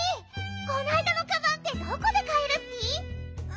こないだのカバンってどこでかえるッピ？